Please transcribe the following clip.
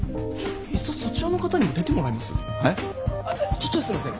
ちょっとすみません。